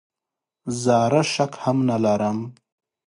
زره شک هم نه لرم .